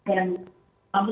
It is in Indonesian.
pemerintah ini mau ngapain